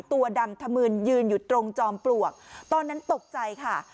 ตัวดำธมืนยืนอยู่ตรงจอมปลวกตอนนั้นตกใจค่ะ